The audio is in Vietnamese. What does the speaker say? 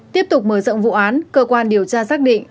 tiếp tục mở rộng vụ án cơ quan điều tra xác định